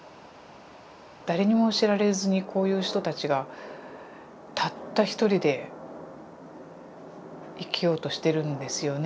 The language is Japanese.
誰にも知られずにこういう人たちがたった一人で生きようとしてるんですよね。